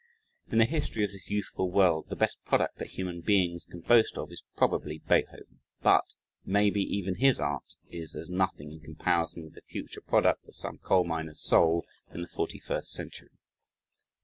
In the history of this youthful world the best product that human beings can boast of is probably, Beethoven but, maybe, even his art is as nothing in comparison with the future product of some coal miner's soul in the forty first century.